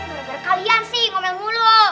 bergurau kalian sih ngomel mulu